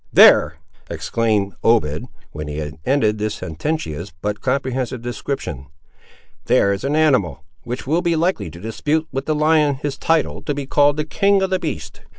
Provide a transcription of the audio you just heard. There," exclaimed Obed, when he had ended this sententious but comprehensive description, "there is an animal, which will be likely to dispute with the lion his title to be called the king of the beasts!"